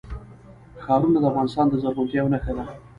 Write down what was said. ښارونه د افغانستان د زرغونتیا یوه نښه ده.